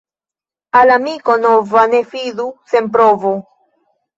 Al amiko nova ne fidu sen provo.